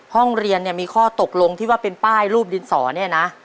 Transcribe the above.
ห้องเรียนเนี่ยมีข้อตกลงที่ว่าเป็นป้ายรูปดินสอเนี่ยนะ